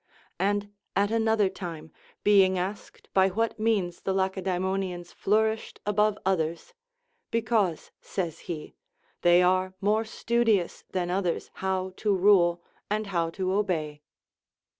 And at another time being asked by Avhat means the Lacedaemonians flourished above others. Be cause, says he, they are more studious than others how to rule and how to obey.